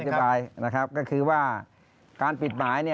โยบายนะครับก็คือว่าการปิดหมาย